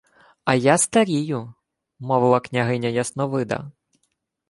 — А я старію, — мовила княгиня Ясновида.